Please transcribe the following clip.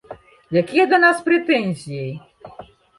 Якія да нас прэтэнзіі?